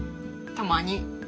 たまに。